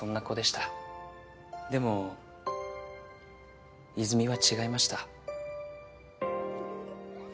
でも和泉は違いました。